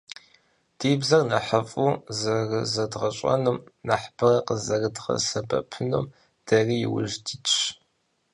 Ди бзэр нэхъыфӏу зэрызэдгъэщӀэнум, нэхъыбэрэ къызэрыдгъэсэбэпынум дэри иужь дитщ.